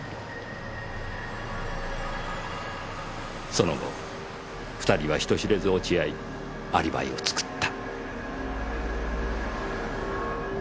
その後２人は人知れず落ち合いアリバイを作った。